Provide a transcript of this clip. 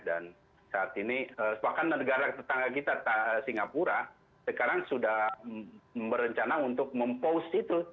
dan saat ini bahkan negara tetangga kita singapura sekarang sudah merencana untuk mempost itu